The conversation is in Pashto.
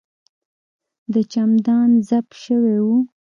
د چمدان زپ شوی و.